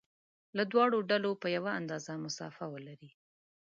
له دواړو ډلو په یوه اندازه مسافه ولري.